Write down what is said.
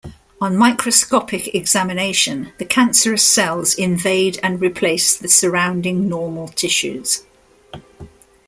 On microscopic examination, the cancerous cells invade and replace the surrounding normal tissues.